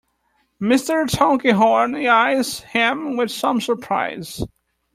Mr. Tulkinghorn eyes him with some surprise.